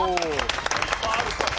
いっぱいあるから。